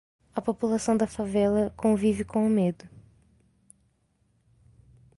A população da favela convive com o medo.